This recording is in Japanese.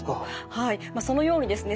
はいそのようにですね